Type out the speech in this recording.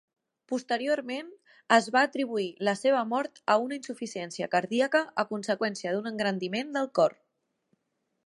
Posteriorment, es va atribuir la seva mort a una insuficiència cardíaca a conseqüència d'un engrandiment del cor.